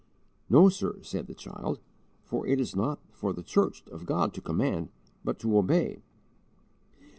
"No, sir," said the child, "for it is not for the church of God to command, but to _obey."